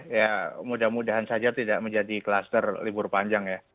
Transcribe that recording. ya mudah mudahan saja tidak menjadi kluster libur panjang ya